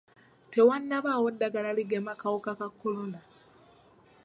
Tewannabaawo ddagala ligema kawuka ka kolona